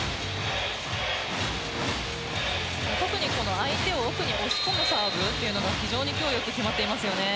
特に相手を奥に押し込むサーブというのが非常に今日よく決まっていますよね。